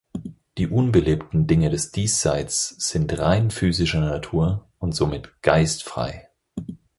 Die unbelebten Dinge des Diesseits sind rein physischer Natur und somit „geist-frei“.